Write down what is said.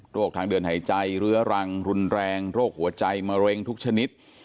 ทางเดินหายใจเรื้อรังรุนแรงโรคหัวใจมะเร็งทุกชนิด